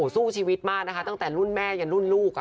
สู้ชีวิตมากนะคะตั้งแต่รุ่นแม่ยันรุ่นลูก